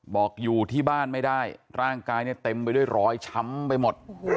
บอกอยู่ที่บ้านไม่ได้ร่างกายเนี่ยเต็มไปด้วยรอยช้ำไปหมด